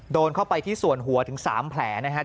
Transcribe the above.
โดนเข้าไปที่ส่วนหัวถึง๓แผลนะครับ